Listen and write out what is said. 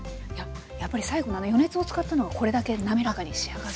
やっぱり最後のあの余熱を使ったのがこれだけ滑らかに仕上がるんですね。